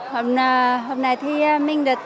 hôm nay thì mình chỉ là có cảm xúc